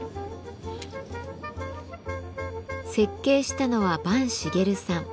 設計したのは坂茂さん。